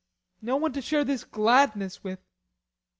No one to share the gladness with.